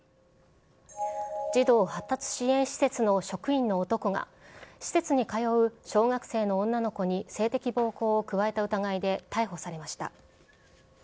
児童発達支援施設の職員の男が、施設に通う小学生の女の子に性的暴行を加えた疑いで逮捕されました。